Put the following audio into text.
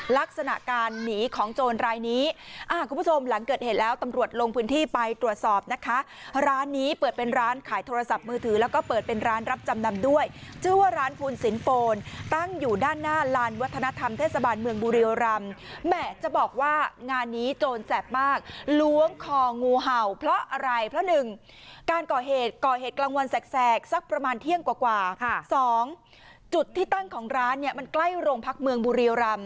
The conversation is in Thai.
ลักษณะการหนีของโจรรายนี้อ่าคุณผู้ชมหลังเกิดเหตุแล้วตำรวจลงพื้นที่ไปตรวจสอบนะคะร้านนี้เปิดเป็นร้านขายโทรศัพท์มือถือแล้วก็เปิดเป็นร้านรับจำนำด้วยเจอว่าร้านภูลสินโฟนตั้งอยู่ด้านหน้าลานวัฒนธรรมเทศบาลเมืองบุรียรำแหมจะบอกว่างานนี้โจรแซ่บมากล้วงคองูเห่าเพราะอะไรเพร